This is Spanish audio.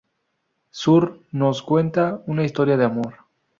Sur nos cuenta una historia de amor.